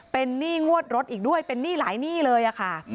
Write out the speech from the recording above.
เป็นหนี้งวดรถอีกด้วยเป็นหนี้หลายหนี้เลยค่ะ